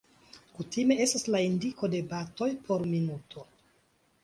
Kutime estas la indiko de batoj por minuto.